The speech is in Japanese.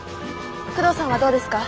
久遠さんはどうですか？